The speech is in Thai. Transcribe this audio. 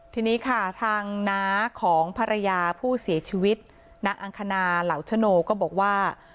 ทีนี้ค่ะทางน้าของภรรยาผู้เสียชีวิตนางอังคณาเหลาชโนก็บอกว่า